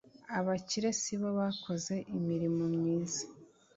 abakire sibo bakoze imirimo myiza.”